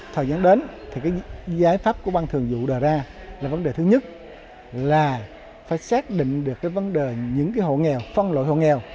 thời gian đến giải pháp của băng thường vụ đòi ra là vấn đề thứ nhất là phải xác định được vấn đề những hộ nghèo phân loại hộ nghèo